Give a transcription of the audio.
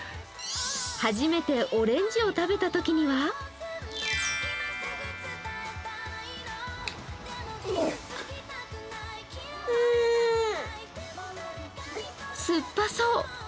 初めてオレンジを食べたときにはすっぱそう。